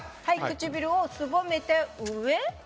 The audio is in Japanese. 唇をすぼめて上。